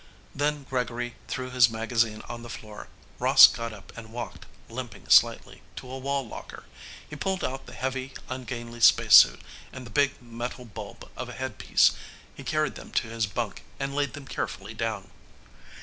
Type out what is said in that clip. Then Gregory threw his magazine on the floor. Ross got up and walked, limping slightly, to a wall locker. He pulled out the heavy, ungainly spacesuit and the big metal bulb of a headpiece. He carried them to his bunk and laid them carefully down.